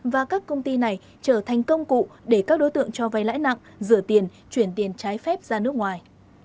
và các công ty này trở thành công cụ để các đối tượng cho vay lãi nặng rửa tiền chuyển tiền trái phép ra nước ngoài